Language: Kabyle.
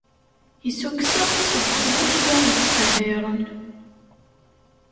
Issukkes-aɣ-d seg widak i aɣ-ittqehhiren.